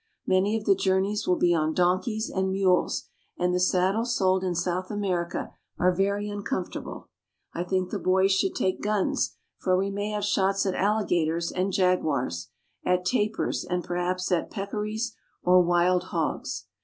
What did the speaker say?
Many of the journeys will be on donkeys and mules, and the saddles sold in South America are very uncomfortable. I think the boys should take guns, for we may have shots at alligators and jaguars, at tapirs, and perhaps at peccaries or wild hogs.